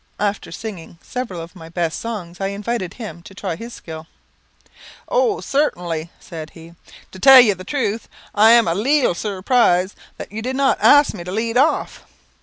After singing several of my best songs, I invited him to try his skill. "Oh, certainly," said he; "to tell you the truth, I am a leetle su rprised that you did not ask me to lead off."